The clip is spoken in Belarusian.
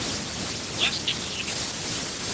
У нас не было нікога.